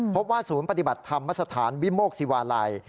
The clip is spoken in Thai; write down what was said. พบว่าศูนย์ปฏิบัติธรรมสถานวิโมกศิวาลัย